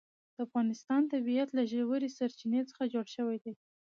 د افغانستان طبیعت له ژورې سرچینې څخه جوړ شوی دی.